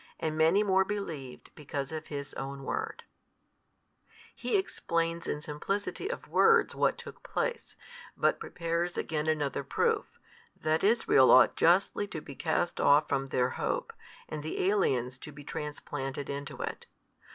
And many more believed because of His Own Word, He explains in simplicity of words what took place: but prepares again another proof, that Israel ought justly to be cast off from their hope, and the aliens to be transplanted into it.